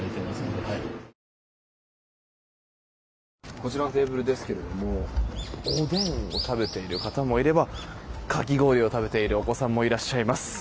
こちらのテーブルですがおでんを食べている方もいればかき氷を食べているお子さんもいらっしゃいます。